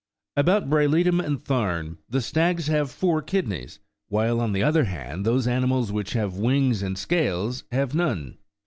About Briletum and Tharne96* the stags have four kidneys : while, on the other hand, those animals which have wings and scales have99 none.